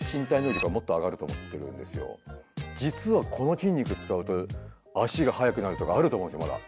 実はこの筋肉使うと足が速くなるとかあると思うんですよまだ。